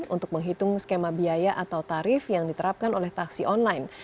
untuk menghitung skema biaya atau tarif yang diterapkan oleh taksi online